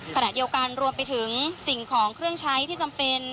ขณะเดียวกันรวมไปถึงสิ่งของเครื่องใช้ที่จำเป็น